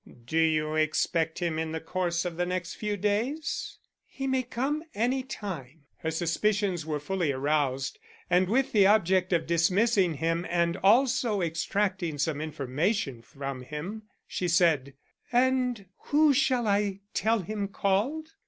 "Do you expect him in the course of the next few days?" "He may come any time." Her suspicions were fully aroused, and with the object of dismissing him and also extracting some information from him she said, "And who shall I tell him called?"